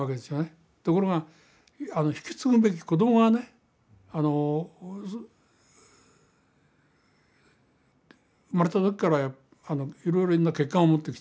ところが引き継ぐべき子供がね生まれた時からいろいろな欠陥を持ってきてる。